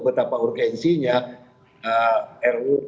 betapa urgensinya ruu